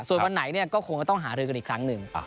ส่วนวันไหนเนี่ยก็คงไม่ต้องหาเรื่องกันอีกครั้งหนึ่ง